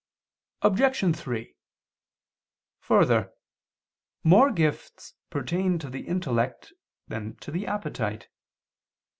Obj. 3: Further, more gifts pertain to the intellect than to the appetite.